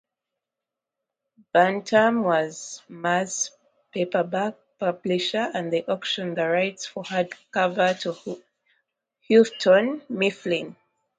Bantam was mass-paperback publisher, and they auctioned the rights for hardcover to Houghton Mifflin.